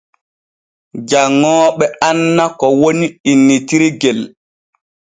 Janŋooɓe anna ko woni innitirgel.